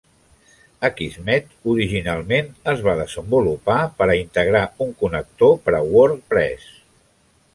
Akismet originalment es va desenvolupar per integrar un connector per a WordPress.